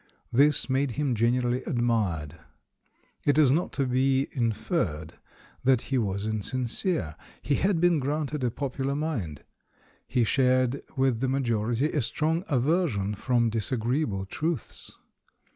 This made him generally admired. It is not to be inferred that he was insincere — he had been granted a popular mind ; he shared with the ma j ority a strong aver sion from disagreeable truths.